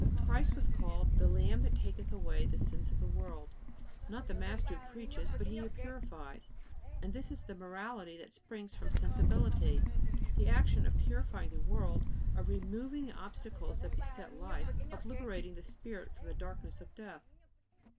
Christ was called "the Lamb that taketh away the sins of the world," not the Master who preaches, but He who purifies. And this is the morality that springs from sensibility: the action of purifying the world, of removing the obstacles that beset life, of liberating the spirit from the darkness of death.